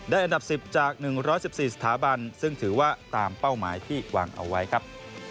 ได้อันดับสิบจากหนึ่งร้อยสิบสี่สถาบันซึ่งถือว่าตามเป้าหมายที่วางเอาไว้ครับ